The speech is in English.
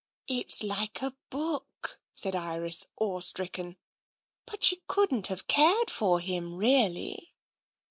" It's like a book," said Iris, awe stricken. " But she couldn't have cared for him really."